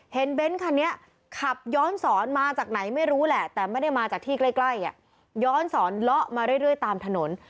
เบ้นคันนี้ขับย้อนสอนมาจากไหนไม่รู้แหละแต่ไม่ได้มาจากที่ใกล้ย้อนสอนเลาะมาเรื่อยตามถนน